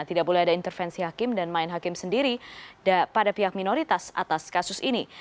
tidak boleh ada intervensi hakim dan main hakim sendiri pada pihak minoritas atas kasus ini